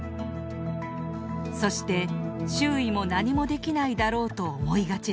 そして周囲も何もできないだろうと思いがちです。